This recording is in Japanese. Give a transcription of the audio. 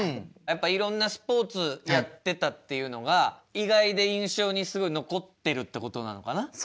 やっぱいろんなスポーツやってたっていうのが意外で印象にすごい残ってるってことなのかな？